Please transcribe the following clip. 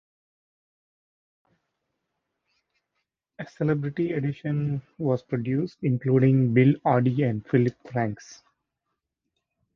A celebrity edition was produced, including Bill Oddie and Phillip Franks.